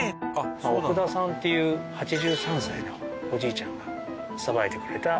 奥田さんっていう８３歳のおじいちゃんがさばいてくれた。